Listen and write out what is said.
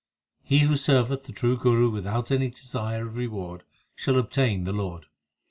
He who serveth the true Guru without any desire Of reward, shall obtain the Lord.